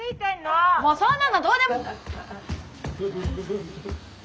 もうそんなのどうでも。